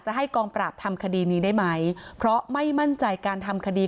ให้กองปราบทำคดีนี้ได้ไหมเพราะไม่มั่นใจการทำคดี